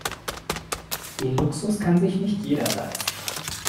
Den Luxus kann sich nicht jeder leisten.